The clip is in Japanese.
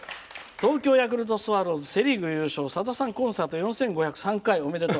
東京ヤクルトスワローズセ・リーグ優勝さださんコンサート、４５０３回おめでとう。